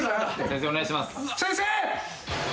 先生！